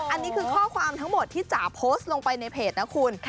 อันนี้คือข้อความทั้งหมดที่จ๋าโพสต์ลงไปในเพจนะคุณ